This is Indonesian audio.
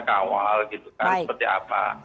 kawal gitu kan seperti apa